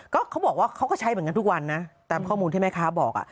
ก็เขาบอกว่าเขาก็ใช้เหมือนกันทุกวันนะตามข้อมูลที่แม่ค้าบอก